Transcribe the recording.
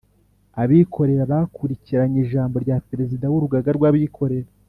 Abikorera bakurikiranye ijambo rya Perezida w Urugaga rw Abikorera